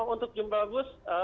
untuk jumlah bus